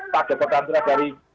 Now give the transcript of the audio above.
pada perantara dari